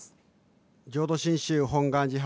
・浄土真宗本願寺派